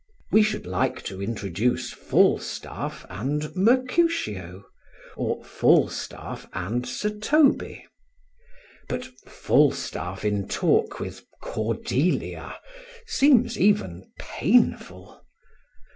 We should like to introduce Falstaff and Mercutio, or Falstaff and Sir Toby; but Falstaff in talk with Cordelia seems even painful.